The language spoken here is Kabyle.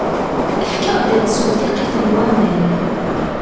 Efk-aɣ ad nsew tiqit n waman.